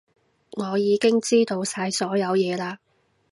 我已經知道晒所有嘢嘞